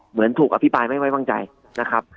เหมือนถูกอภิปรายไม่ไว้วางใจนะครับ